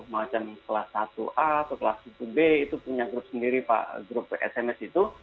macam kelas satu a atau kelas satu b itu punya grup sendiri pak grup sms itu